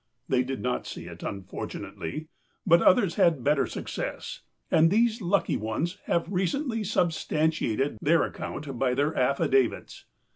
They did not see it, unfortunately, but others had better success, and these lucky ones have recently substantiated their account by their affidavits.